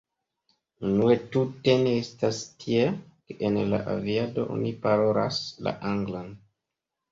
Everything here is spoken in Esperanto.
Unue tute ne estas tiel, ke en la aviado oni parolas la anglan.